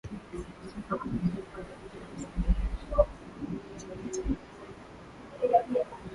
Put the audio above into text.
Sifa za Mbegha zilisambaa kwa Wasambaa wote Wakati ule Wasambaa wa Vuga walikuwa na